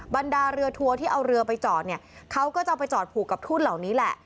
บรรดาเรือทัวร์ที่เอาเรือไปจอดเนี่ยเขาก็จะเอาไปจอดผูกกับทุ่นเหล่านี้แหละ